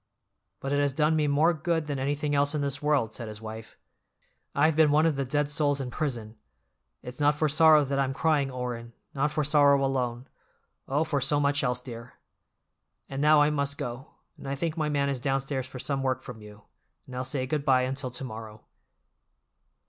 "But it has done me more good than anything else in this world," said his wife. "I've been one of the dead souls in prison. It's not for sorrow that I'm crying, Orrin, not for sorrow alone—oh, for so much else, dear! And now I must go, and I think my man is downstairs for some work from you, and I'll say good by until to morrow."